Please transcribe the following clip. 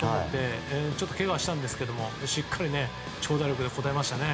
ちょっとけがをしたんですがしっかり長打力で応えました。